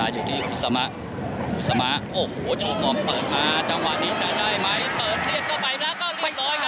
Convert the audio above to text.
อยู่ที่อุตสามาสีหัวหลอมเปิดมา